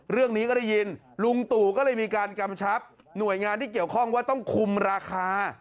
เรื่องนี้ก็ได้ยินลุงตู่ก็เลยมีการกำชับหน่วยงานที่เกี่ยวข้องว่าต้องคุมราคา